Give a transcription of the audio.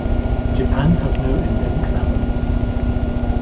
Japan has no endemic families.